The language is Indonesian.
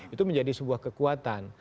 itu menjadi sebuah kekuatan